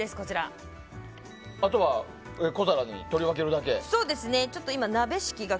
あとは小皿に取り分けるだけ。